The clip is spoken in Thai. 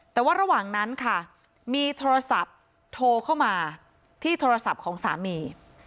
แต่ว่าระหว่างนั้นค่ะมีโทรศัพท์โทรเข้ามาที่โทรศัพท์ของสามี